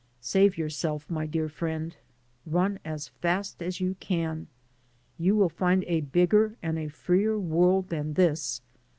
"Save yourself, my dear friend. Run as fast as you can. You will find a bigger and a freer world than this.